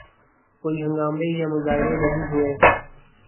کوئی ہنگامے یا مظاہرے نہیں ہوئے۔